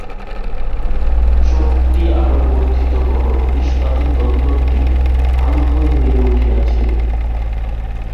শক্তি আরও বর্ধিত কর, ইস্পাতের দণ্ডটি আলোকময় হইয়া উঠিয়াছে।